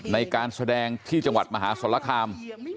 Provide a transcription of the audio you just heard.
ในการแสดงที่จังหวัดมหาสรคาม